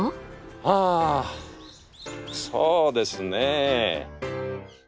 あそうですね。